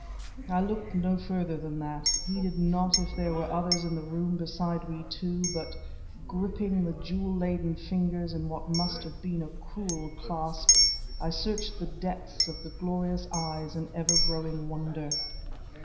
I looked no further than that, heeded not if there were others in the room beside we two, but, gripping the jewel laden fingers in what must have been a cruel clasp, I searched the depths of the glorious eyes in ever growing wonder.